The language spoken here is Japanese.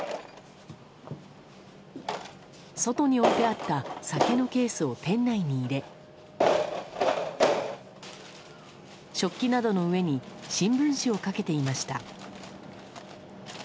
外に置いてあった酒のケースを店内に入れ食器などの上に新聞紙をかけていました。